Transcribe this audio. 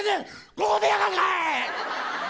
ここでやらんかい。